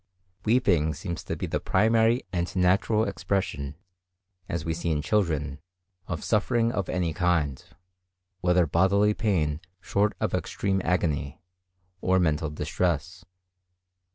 Weeping seems to be the primary and natural expression, as we see in children, of suffering of any kind, whether bodily pain short of extreme agony, or mental distress.